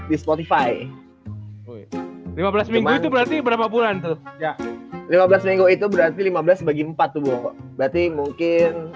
di spotify lima belas minggu itu berarti berapa bulan tuh ya lima belas minggu itu berarti lima belas bagi empat tuh bu berarti mungkin